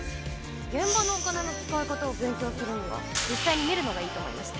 「現場のお金の使い方を勉強するには実際に見るのがいいと思いまして」